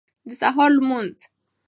د سهار لمونځ